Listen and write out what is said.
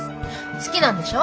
好きなんでしょ。